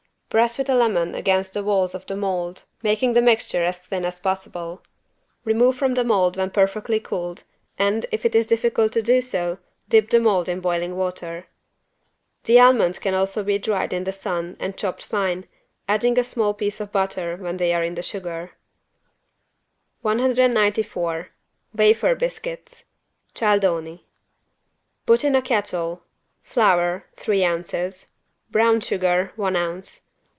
Press with a lemon against the walls of the mold, making the mixture as thin as possible. Remove from the mold when perfectly cooled and, if it is difficult to do so, dip the mold in boiling water. The almonds can also be dried in the sun and chopped fine, adding a small piece of butter when they are in the sugar. 194 WAFER BISCUITS (Cialdoni) Put in a kettle: Flour, three ounces. Brown sugar, one ounce.